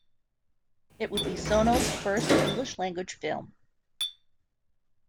It would be Sono's first English-language film.